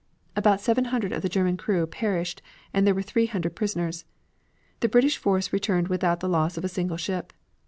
About seven hundred of the German crew perished and there were three hundred prisoners. The British force returned without the loss of a single ship.